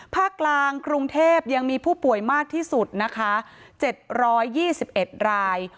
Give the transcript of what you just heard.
ภาคกลางกรุงเทพยังมีผู้ป่วยมากที่สุดนะคะ๗๒๑ราย